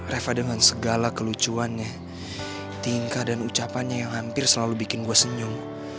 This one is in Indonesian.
reva dengan segala kelucuannya tingkah dan ucapannya yang hampir selalu bikin gue senyum